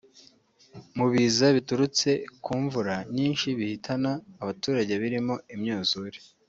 Mu biza biturutse ku mvura nyinshi bihitana abaturage birimo imyuzure